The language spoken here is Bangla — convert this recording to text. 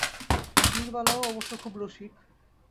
নীরবালাও অবশ্য খুব– রসিক।